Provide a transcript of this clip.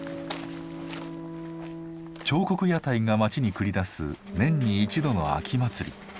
彫刻屋台が町に繰り出す年に一度の秋祭り。